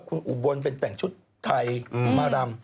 คุณอุบลเป็นแต่งชุดไทยมารำ